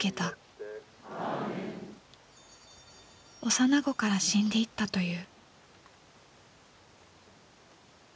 幼子から死んでいったという。